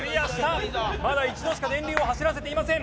まだ一度しか電流を走らせていません。